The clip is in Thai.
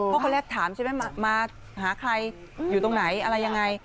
เพราะคนแรกถามใช่ไหมมาหาใครอยู่ตรงไหนอะไรยังไง